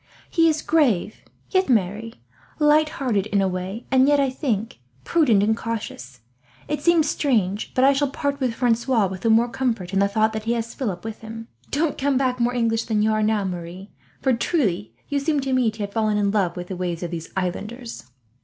He is grave, yet merry; light hearted in a way, and yet, I think, prudent and cautious. It seems strange, but I shall part with Francois with the more comfort, in the thought that he has Philip with him. "Don't come back more English than you are now, Marie; for truly you seem to me to have fallen in love with the ways of these islanders."